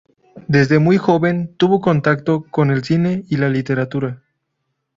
Desde muy joven tuvo contacto con el cine y la literatura.